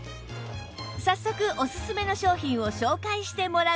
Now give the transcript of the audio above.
早速おすすめの商品を紹介してもらうと